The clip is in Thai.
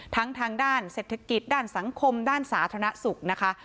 ทางด้านเศรษฐกิจด้านสังคมด้านสาธารณสุขนะคะ